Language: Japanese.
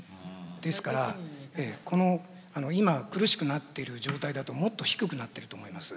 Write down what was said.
ですからこの今苦しくなっている状態だともっと低くなってると思います。